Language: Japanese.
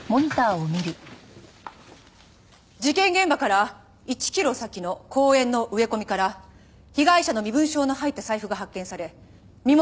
事件現場から１キロ先の公園の植え込みから被害者の身分証の入った財布が発見され身元が判明しました。